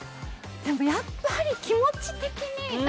やっぱり気持ち的に。